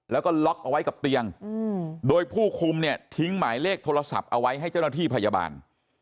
แล้วก็ล็อกเอาไว้กับเตียงโดยผู้คุมเนี่ยทิ้งหมายเลขโทรศัพท์เอาไว้ให้เจ้าหน้าที่พยาบาล